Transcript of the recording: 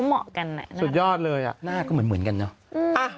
น่ารักค่ะสุดยอดเลยอะหน้าก็เหมือนกันเนอะน่ารัก